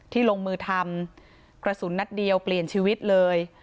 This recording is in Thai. ลงมือทำกระสุนนัดเดียวเปลี่ยนชีวิตเลย